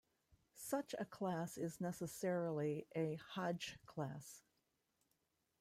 Such a class is necessarily a Hodge class.